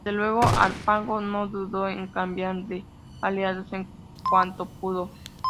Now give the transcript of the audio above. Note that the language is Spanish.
Desde luego, Harpago no dudó en cambiar de aliados en cuanto pudo.